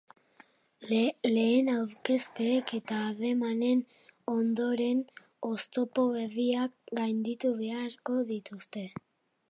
Lehen aurkezpen eta harremanen ondoren, oztopo berriak gainditu beharko dituzte.